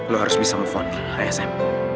lo harus bisa menelepon dia ayo sam